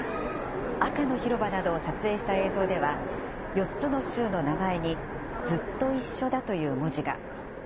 赤の広場などを撮影した映像では、４つの州の名前に、ずっと一緒だという文字が。